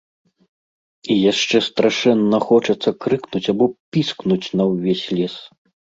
І яшчэ страшэнна хочацца крыкнуць або піскнуць на ўвесь лес.